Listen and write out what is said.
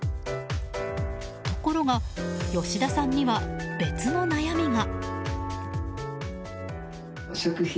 ところが、吉田さんには別の悩みが。